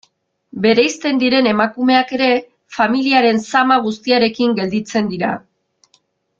Bereizten diren emakumeak ere, familiaren zama guztiarekin gelditzen dira.